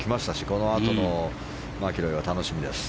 このあとのマキロイが楽しみです。